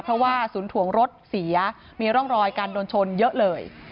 เพราะว่าศูนย์ถวงรถเสียมีร่องรอยการโดนชนเยอะเลย